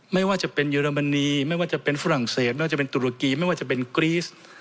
ไม่ว่าจะเป็นเยอรมนีไม่ว่าจะเป็นฝรั่งเศสไม่ว่าจะเป็นตุรกีไม่ว่าจะเป็นกรีส